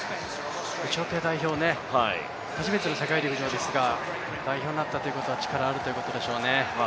エチオピア代表、初めての世界陸上ですが、代表になったということは力があるということでしょうね。